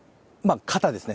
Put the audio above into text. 肩ですね。